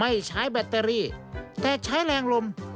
เท่านั้นใช้หลักการทำงานกลไกต่อยงไม่ใช้แบตเตอรี่แต่ใช้แรงลม